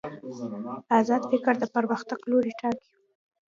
ازاد فکر د پرمختګ لوری ټاکي.